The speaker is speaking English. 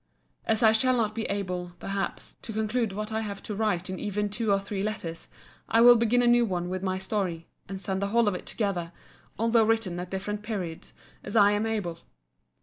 As I shall not be able, perhaps, to conclude what I have to write in even two or three letters, I will begin a new one with my story; and send the whole of it together, although written at different periods, as I am able.